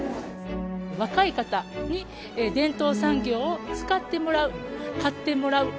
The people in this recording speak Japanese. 若い方に伝統産業を使ってもらう、買ってもらう。